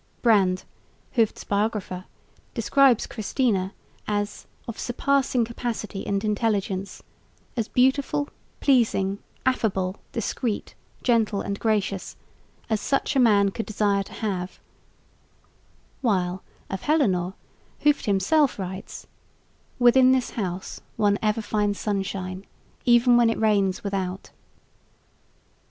Brandt, Hooft's biographer, describes Christina as "of surpassing capacity and intelligence, as beautiful, pleasing, affable, discreet, gentle and gracious, as such a man could desire to have"; while, of Heleonore, Hooft himself writes: "Within this house one ever finds sunshine, even when it rains without."